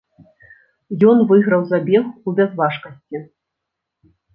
Ён выйграў забег у бязважкасці.